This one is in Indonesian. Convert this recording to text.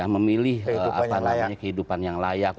memilih kehidupan yang layak